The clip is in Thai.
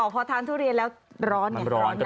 พอทานทุเรียนแล้วร้อนไง